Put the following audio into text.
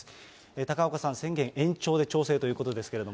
高岡さん、宣言延長で調整ということですけれども。